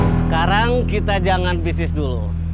sekarang kita jangan bisnis dulu